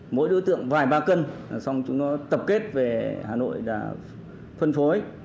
mỗi đối tượng vài ba cân xong chúng nó tập kết về hà nội là phân phối